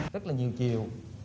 rất là nhiều chiều